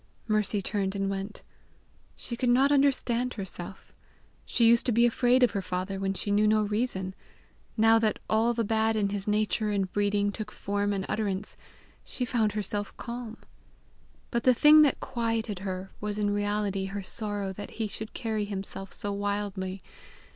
Mercy turned and went. She could not understand herself. She used to be afraid of her father when she knew no reason; now that all the bad in his nature and breeding took form and utterance, she found herself calm! But the thing that quieted her was in reality her sorrow that he should carry himself so wildly.